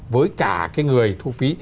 với cả cái người thu phí